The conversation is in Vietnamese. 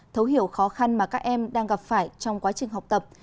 thấu hiểu khó khăn mà các em đang gặp phải trong quá trình học tập